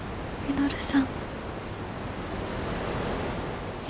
稔さん。